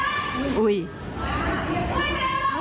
พนักงานในร้าน